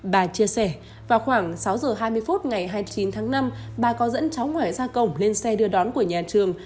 bà chia sẻ vào khoảng sáu giờ hai mươi phút ngày hai mươi chín tháng năm bà có dẫn cháu ngoại ra cổng lên xe đưa đón của nhà trường